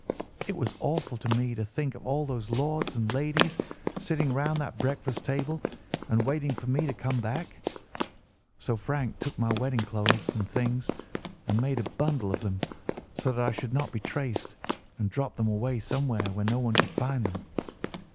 It was awful to me to think of all those lords and ladies sitting round that breakfast table and waiting for me to come back. So Frank took my wedding clothes and things and made a bundle of them, so that I should not be traced, and dropped them away somewhere where no one could find them.